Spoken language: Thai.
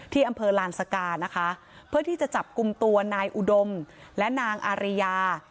ที่อำเภอลานสกานะคะเพื่อที่จะจับกลุ่มตัวนายอุดมและนางอาริยา